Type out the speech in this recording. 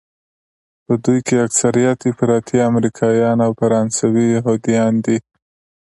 په دوی کې اکثریت افراطي امریکایان او فرانسوي یهودیان دي.